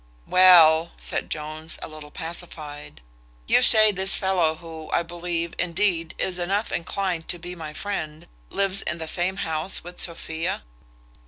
"Well," says Jones, a little pacified, "you say this fellow, who, I believe, indeed, is enough inclined to be my friend, lives in the same house with Sophia?"